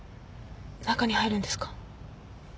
中に入るんですか？